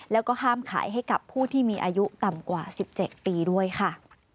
แล้วก็ห้ามขายให้กับผู้ที่มีอายุต่ำกว่า๑๗ปีด้วยค่ะ